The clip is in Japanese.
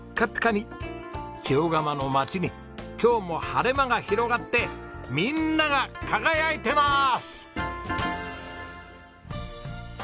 塩竈の街に今日も晴れ間が広がってみんなが輝いてまーす！